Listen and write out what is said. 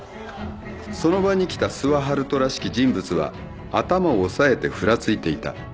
その場に来た諏訪遙人らしき人物は頭を押さえてふらついていた。